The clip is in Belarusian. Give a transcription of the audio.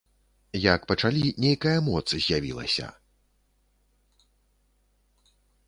Як пачалі, нейкая моц з'явілася.